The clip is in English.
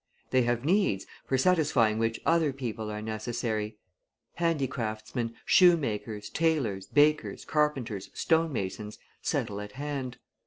They have needs for satisfying which other people are necessary; handicraftsmen, shoemakers, tailors, bakers, carpenters, stonemasons, settle at hand.